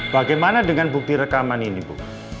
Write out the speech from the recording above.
bagaimana dengan bukti rekaman ini bu